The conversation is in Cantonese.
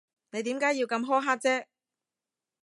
你點解要咁苛刻啫？